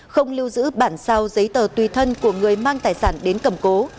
không lưu giữ bản sao giấy tờ tùy thân của người mang tài sản đến cầm cố